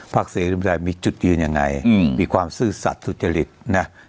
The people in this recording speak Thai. เสรีรวมไทยมีจุดยืนยังไงมีความซื่อสัตว์สุจริตนะ